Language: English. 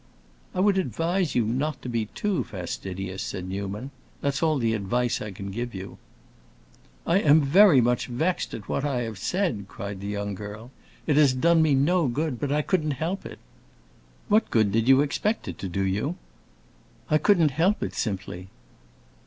"I would advise you not to be too fastidious," said Newman. "That's all the advice I can give you." "I am very much vexed at what I have said!" cried the young girl. "It has done me no good. But I couldn't help it." "What good did you expect it to do you?" "I couldn't help it, simply."